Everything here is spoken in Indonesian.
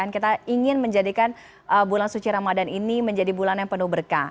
kita ingin menjadikan bulan suci ramadan ini menjadi bulan yang penuh berkah